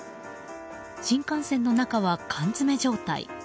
新幹線の中は缶詰め状態。